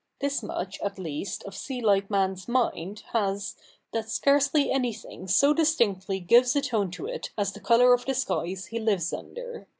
This much at least of sea like man's mind has, that i88 THE NEW REPUBLIC [bk. iv scarcely anything so distinctly gives a tone to it as the colour of the skies he lives under.